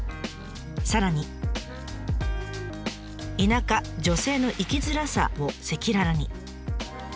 さらに「『田舎×女性』の生きづらさ」を赤裸々に。